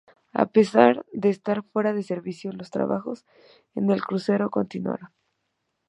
A pesar de estar fuera de servicio, los trabajos en el crucero continuaron.